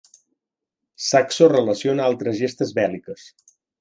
Saxo relaciona altres gestes bèl·liques.